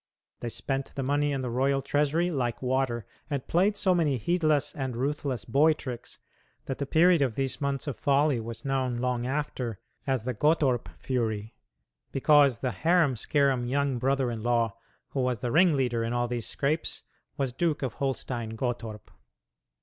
They spent the money in the royal treasury like water, and played so many heedless and ruthless boy tricks that the period of these months of folly was known, long after, as the "Gottorp Fury," because the harum scarum young brother in law, who was the ringleader in all these scrapes, was Duke of Holstein Gottorp.